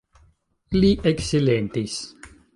Li eksilentis.